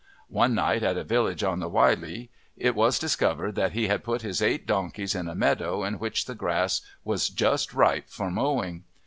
One night at a village on the Wylye it was discovered that he had put his eight donkeys in a meadow in which the grass was just ripe for mowing.